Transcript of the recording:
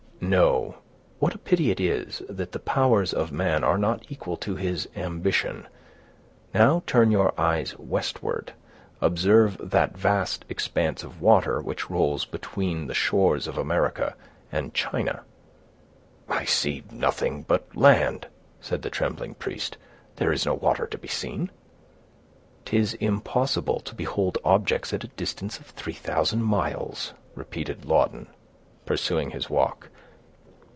"No! what a pity it is that the powers of man are not equal to his ambition. Now turn your eyes westward; observe that vast expanse of water which rolls between the shores of America and China." "I see nothing but land," said the trembling priest; "there is no water to be seen." "'Tis impossible to behold objects at a distance of three thousand miles!" repeated Lawton, pursuing his walk.